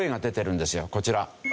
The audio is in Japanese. こちら。